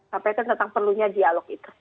sampaikan tentang perlunya dialog itu